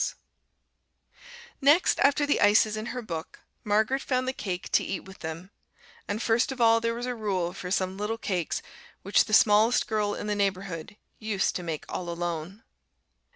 CAKE Next after the ices in her book, Margaret found the cake to eat with them, and first of all there was a rule for some little cakes which the smallest girl in the neighborhood used to make all alone.